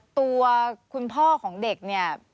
ตัวคุณพ่อของเด็กเนี่ย